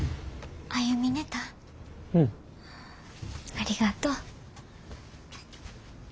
ありがとう。